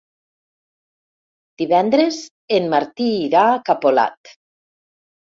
Divendres en Martí irà a Capolat.